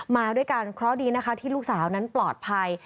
มาด้วยกันเพราะดีนะคะที่ลูกสาวนั้นปลอดภัย